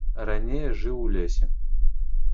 Раней я жыў у лесе.